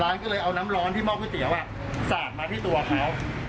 ร้านก็เลยเอาน้ำร้อนที่หม้อก๋วยเตี๋ยวสาดมาที่ตัวเขา